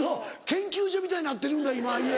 研究所みたいになってるんだ今家。